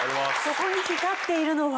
ここに光っているのは？